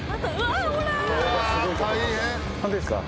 ホントですか？